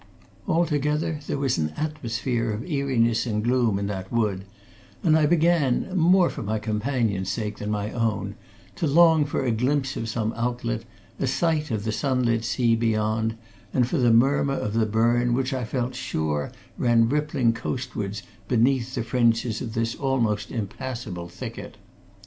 Altogether there was an atmosphere of eeriness and gloom in that wood, and I began more for my companion's sake than my own to long for a glimpse of some outlet, a sight of the sunlit sea beyond, and for the murmur of the burn which I felt sure, ran rippling coast wards beneath the fringes of this almost impassable thicket.